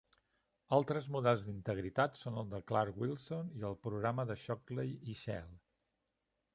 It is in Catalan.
Altres models d'integritat són el de Clark-Wilson i el programa de Shockley i Schell.